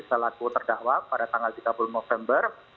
selaku terdakwa pada tanggal tiga puluh november